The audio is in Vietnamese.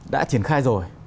đã triển khai rồi